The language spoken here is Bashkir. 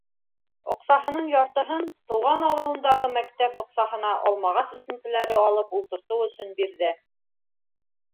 Аҡсаһының яртыһын тыуған ауылындағы мәктәп баҡсаһына алмағас үҫентеләре алып ултыртыу өсөн бирҙе.